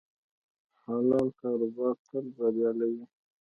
حلال کاروبار تل بریالی وي.